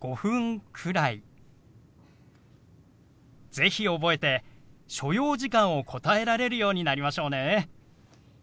是非覚えて所要時間を答えられるようになりましょうね。